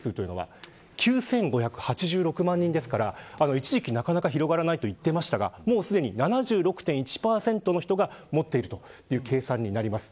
一時期なかなか広がらないと言っていましたがすでに７６．１％の人が持っている計算になります。